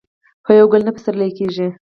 په یو ګل نه پسرلی کېږي